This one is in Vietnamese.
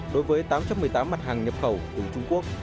đối với tám trăm một mươi tám mặt hàng nhập khẩu của trung quốc